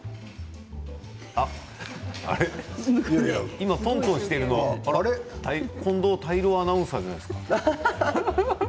あれ今トントンしているのは近藤泰郎アナウンサーじゃないですか。